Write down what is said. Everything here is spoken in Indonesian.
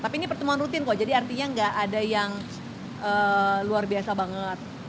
tapi ini pertemuan rutin kok jadi artinya nggak ada yang luar biasa banget